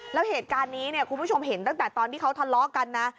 แล้วเหตุการณ์นี้เนี่ยคุณผู้ชมเห็นตั้งแต่ตอนที่เขาทะเลาะกันนะ